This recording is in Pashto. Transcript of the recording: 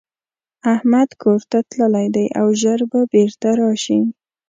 احمدکورته تللی دی او ژر به بيرته راشي.